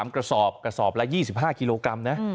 กระสอบกระสอบละ๒๕กิโลกรัมนะ